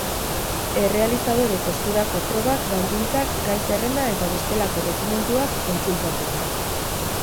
Errealizadore posturako probak, baldintzak, gai-zerrenda eta bestelako dokumentuak kontsultatu.